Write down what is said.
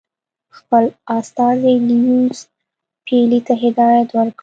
خپل استازي لیویس پیلي ته هدایت ورکړ.